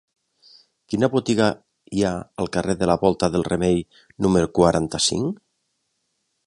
Quina botiga hi ha al carrer de la Volta del Remei número quaranta-cinc?